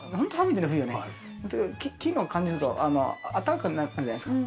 木の感じだと、あったかくなるじゃないですか。